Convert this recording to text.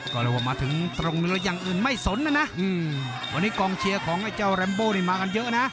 ก็เรียกว่ามาถึงตรงเนื้ออย่างอื่นไม่สนนะนะวันนี้กองเชียร์ของไอ้เจ้าแรมโบนี่มากันเยอะนะ